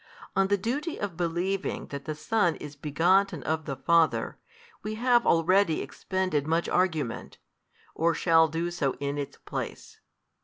On the duty of believing that the Son is begotten of the Father, we have already expended much argument, or shall do so in its place.